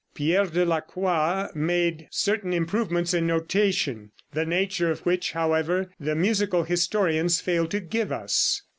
Pierre de la Croix made certain improvements in notation, the nature of which, however, the musical historians fail to give us.